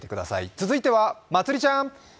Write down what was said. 続いてはまつりちゃん。